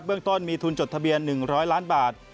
ต้นมีทุนจดทะเบียน๑๐๐ล้านบาท